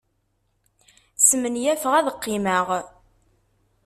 Smenyafeɣ ad qqimeɣ.